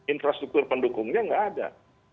infrastruktur pendukungnya nggak ada